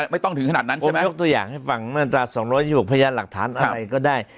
ไม่ต้องถึงขนาดนั้นใช่ไหมผมยกตัวอย่างให้ฟังเมื่อระดับ๒๐๐ยุคพญะหลักฐานอะไรก็ได้